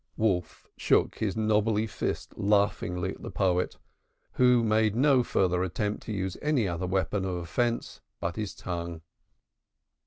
Wolf shook his knobby fist laughingly at the poet, who made no further effort to use any other weapon of offence but his tongue.